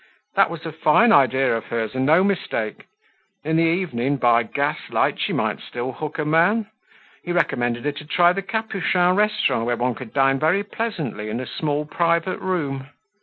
That was a fine idea of hers, and no mistake! In the evening, by gaslight, she might still hook a man. He recommended her to try the Capuchin restaurant where one could dine very pleasantly in a small private room.